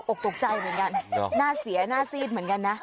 ตกใจเหมือนกันหน้าเสียหน้าซีดเหมือนกันนะ